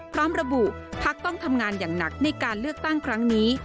พร้อมระบุพักต้องทำงานอย่างหนักในการเลือกตั้งครั้งนี้